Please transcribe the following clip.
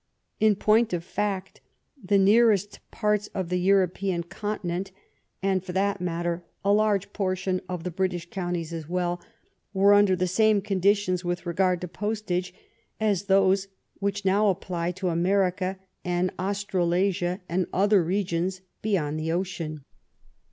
In point of fact, the near est parts of the European continent, and, for that 182 "THE TRIVIAL ROUND— THE COMMON TASK" matter, a large portion of the British counties as well, were under the same conditions with regard to postage as those which now apply to America and Australasia and other r^ons beyond the ocean.